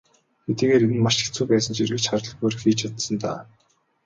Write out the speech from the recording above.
Хэдийгээр энэ нь маш хэцүү байсан ч эргэж харалгүйгээр хийж чадсан даа.